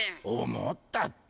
思ったって。